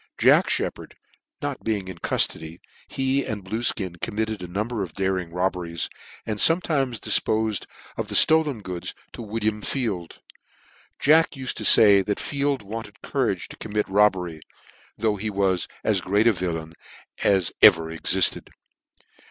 Jack Sheppard not being in cuftody, he and Pluefkin committed a number of daring robberies, and fometimes difpofed of the itolen goods to William Field. Jack uled to fay that Field wanted courage to commit a robbery, though he was as great a villain as ever exifted.